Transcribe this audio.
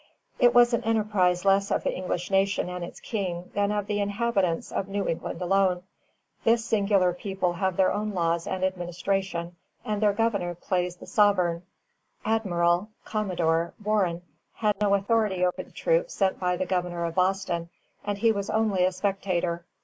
"It was an enterprise less of the English nation and its King than of the inhabitants of New England alone. This singular people have their own laws and administration, and their governor plays the sovereign. Admiral [Commodore] Warren had no authority over the troops sent by the Governor of Boston, and he was only a spectator....